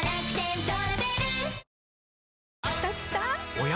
おや？